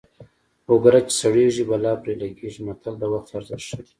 اوګره چې سړېږي بلا پرې لګېږي متل د وخت ارزښت ښيي